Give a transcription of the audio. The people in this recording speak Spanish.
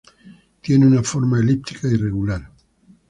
Tiene una forma elíptica irregular.